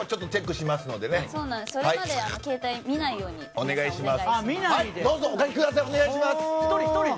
それまで携帯見ないようにお願いします。